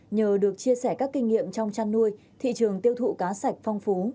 nhờ được chia sẻ các kinh nghiệm trong chăn nuôi thị trường tiêu thụ cá sạch phong phú